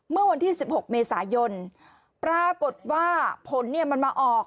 เมื่อวันที่๑๖เมษายนปรากฏว่าผลมันมาออก